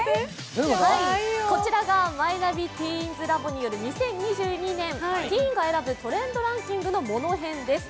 こちらがマイナビティーンズラボによる２０２２年ティーンが選ぶトレンドランキングのモノ編です。